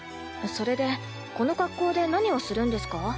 それでこの格好で何をするんですか？